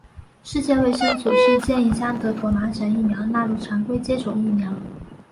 世界卫生组织建议将德国麻疹疫苗纳入常规接种疫苗。